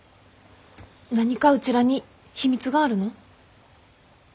何かうちらに秘密があるの？